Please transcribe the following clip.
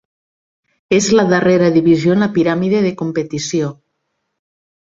És la darrera divisió en la piràmide de competició.